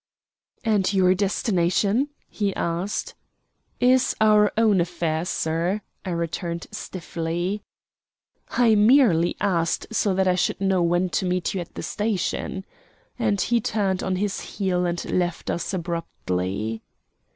"And your destination?" he asked. "Is our own affair, sir," I returned stiffly. "I merely asked so that I should know when to meet you at the station;" and he turned on his heel and left us abruptly.